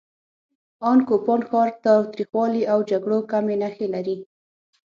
ان کوپان ښار تاوتریخوالي او جګړو کمې نښې لري.